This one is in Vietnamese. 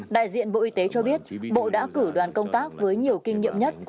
đại diện bộ y tế cho biết bộ đã cử đoàn công tác với nhiều kinh nghiệm nhất